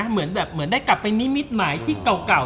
เหมือนได้กลับไปมิดหมายที่เก่า